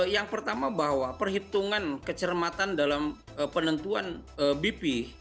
yang pertama bahwa perhitungan kecermatan dalam penentuan bp